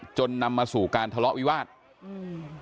โคศกรรชาวันนี้ได้นำคลิปบอกว่าเป็นคลิปที่ทางตำรวจเอามาแถลงวันนี้นะครับ